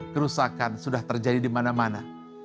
kerusakan sudah terjadi dimana mana